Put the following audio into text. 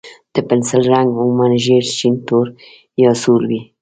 د پنسل رنګ عموماً ژېړ، شین، تور، یا سور وي.